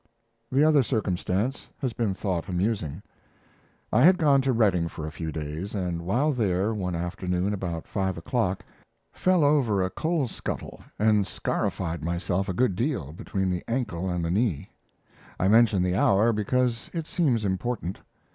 The other circumstance has been thought amusing. I had gone to Redding for a few days, and while there, one afternoon about five o'clock, fell over a coal scuttle and scarified myself a good deal between the ankle and the knee. I mention the hour because it seems important.